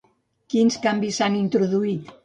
Quins canvis s'han introduït?